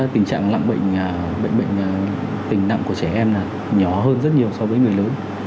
tình trạng lặng bệnh bệnh bệnh tình nặng của trẻ em nhỏ hơn rất nhiều so với người lớn